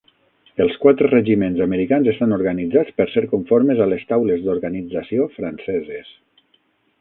Els quatre regiments americans estan organitzats per ser conformes a les taules d'organització franceses.